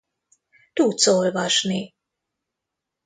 Tudsz olvasni!